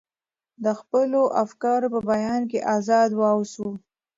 د خپلو افکارو په بیان کې ازاد واوسو.